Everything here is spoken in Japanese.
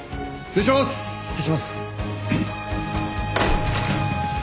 失礼します。